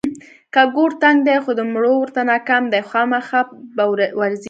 که ګور تنګ دی خو د مړو ورته ناکام دی، خوامخا به ورځي.